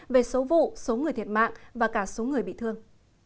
về số vụ số người thiệt mạng và cả số người bị thương